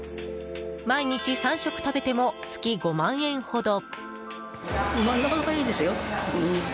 毎日３食食べても月５万円ほど。